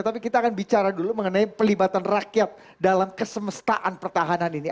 tapi kita akan bicara dulu mengenai pelibatan rakyat dalam kesemestaan pertahanan ini